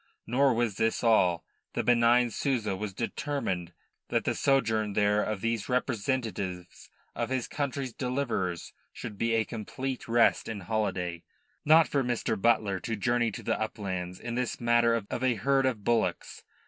Nor was this all. The benign Souza was determined that the sojourn there of these representatives of his country's deliverers should be a complete rest and holiday. Not for Mr. Butler to journey to the uplands in this matter of a herd of bullocks.